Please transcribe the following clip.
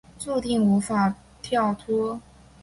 注定无法跳脱